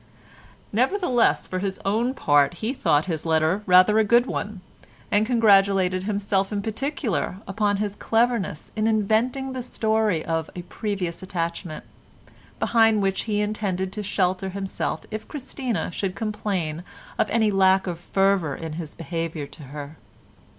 Nevertheless for his own part he thought his letter rather a good one, and congratulated himself in particular upon his cleverness in inventing the story of a previous attachment, behind which he intended to shelter himself if Christina should complain of any lack of fervour in his behaviour to her.